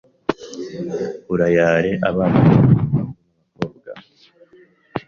“Urayare abana benshi abahungu n’abakowa”